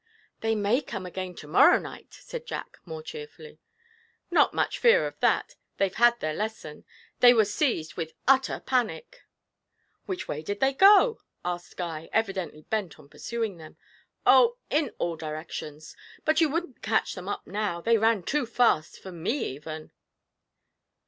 'They may come again to morrow night,' said Jack, more cheerfully. 'Not much fear of that they've had their lesson. They were seized with utter panic.' 'Which way did they go?' asked Guy, evidently bent on pursuing them. 'Oh, in all directions. But you wouldn't catch them up now; they ran too fast for me even!'